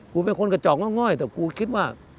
กูเป็นคนกระจอกง่อง่อยแต่กูคิดว่า